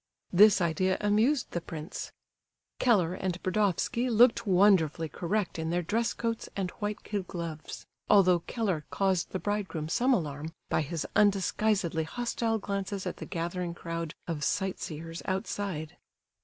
This idea amused the prince. Keller and Burdovsky looked wonderfully correct in their dress coats and white kid gloves, although Keller caused the bridegroom some alarm by his undisguisedly hostile glances at the gathering crowd of sight seers outside.